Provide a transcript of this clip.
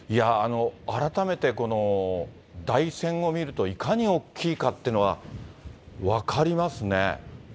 改めてこの台船を見ると、いかに大きいかっていうのが分かりますね。